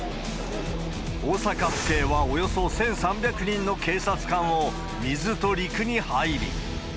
大阪府警は、およそ１３００人の警察官を、水と陸に配備。